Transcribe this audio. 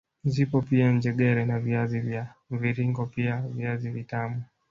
Zipo pia njegere na viazi vya mviringo pia viazi vitamu